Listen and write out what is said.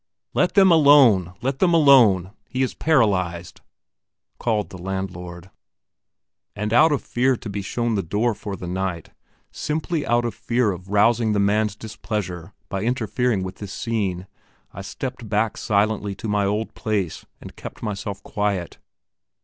"Let them alone! let them alone! he is paralysed," called the landlord. And out of fear to be shown the door for the night, simply out of fear of rousing the man's displeasure by interfering with this scene, I stepped back silently to my old place and kept myself quiet.